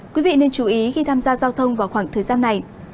quý vị nên chú ý khi tham gia giao thông vào khoảng thời gian này